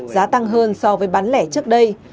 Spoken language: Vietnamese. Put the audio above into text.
giá tăng hơn so với bán lẻ trước đây